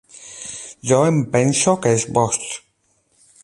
Jo em penso que és boig.